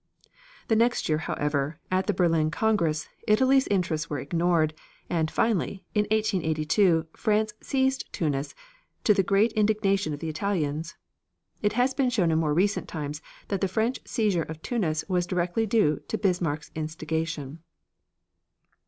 The next year, however, at the Berlin Congress, Italy's interests were ignored, and finally, in 1882, France seized Tunis, to the great indignation of the Italians. It has been shown in more recent times that the French seizure of Tunis was directly due to Bismarck's instigation.